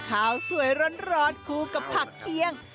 ข้าวสวยร้อนคู่กับผักเคียง